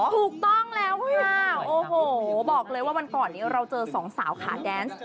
ถูกต้องแล้วค่ะโอ้โหบอกเลยว่าวันก่อนนี้เราเจอสองสาวขาแดนซ์